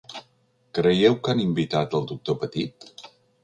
Creieu que han invitat el doctor Petit?